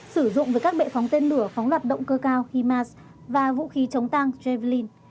sử dụng với các bệ phóng tên lửa phóng loạt động cơ cao himas và vũ khí chống tăng javlin